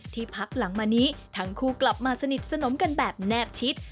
พักหลังมานี้ทั้งคู่กลับมาสนิทสนมกันแบบแนบชิด